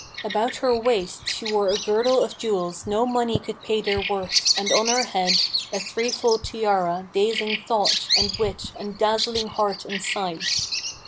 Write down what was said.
About her waist she wore a girdle of jewels no money could pay their worth and on her head a three fold tiara dazing thought and wit and dazzling heart and sight.